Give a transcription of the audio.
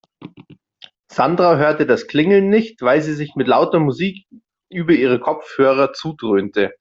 Sandra hörte das Klingeln nicht, weil sie sich mit lauter Musik über ihre Kopfhörer zudröhnte.